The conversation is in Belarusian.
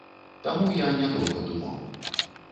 Таму я не доўга думаў.